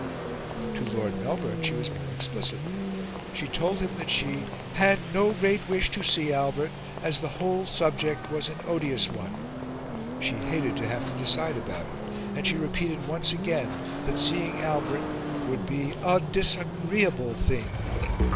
To Lord Melbourne she was more explicit. She told him that she "had no great wish to see Albert, as the whole subject was an odious one;" she hated to have to decide about it; and she repeated once again that seeing Albert would be "a disagreeable thing."